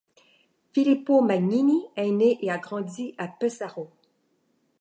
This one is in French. Filippo Magnini est né et a grandi à Pesaro.